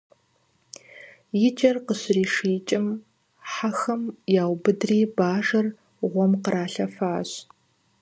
И кӀэр къыщришиикӀым, хьэхэм яубыдри бажэр гъуэм къралъэфащ.